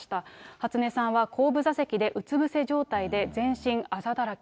初音さんは後部座席でうつ伏せ状態で、全身あざだらけ。